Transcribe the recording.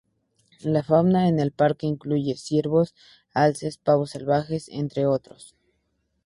La fauna en el parque incluye ciervos, alces, pavos salvajes, entre otros.